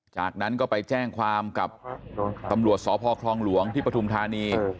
จากนั้นก็ไปแจ้งความกับตำรวจสพคลองหลวงที่ปฐุมธานี